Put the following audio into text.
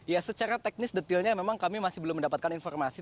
ya secara teknis detilnya memang kami masih belum mendapatkan informasi